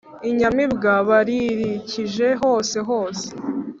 Inyamibwa baririkije hose hose